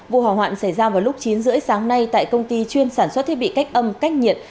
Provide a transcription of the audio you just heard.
vụ hỏa hoạn xảy ra vào lúc chín h ba mươi sáng nay tại công ty chuyên sản xuất thiết bị cách âm cách nhiệt